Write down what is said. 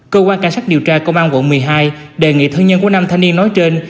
cơ quan cảnh sát điều tra công an quận một mươi hai đề nghị thân nhân của năm thanh niên nói trên